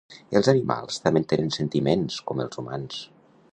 Els animals també tenen sentiments com els humans.